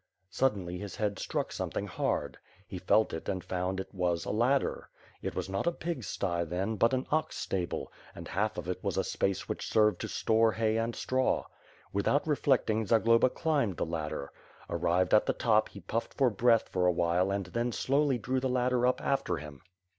Suddenly, his head struck something hard. He felt it and found it was a ladder. This was not a pig's sty, then, but an ox stable, and half of it was a space which served to store hay and straw. Without reflecting Zagloba climbed the ladder. Arrived at the top he puffed for breath a while and then slowly drew the ladder up after him.